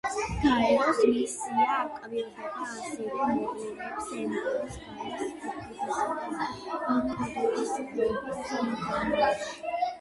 გაეროს მისია აკვირდება ასევე მოვლენებს ენგურის, გალის, ზუგდიდისა და კოდორის ხეობის მიდამოებში.